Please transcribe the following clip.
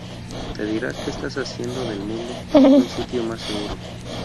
Te dirá que estás haciendo del mundo un sitio más seguro.